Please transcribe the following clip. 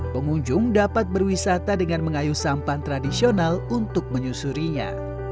pengunjung dapat berwisata dengan mengayu sampan tradisional untuk menyusurinya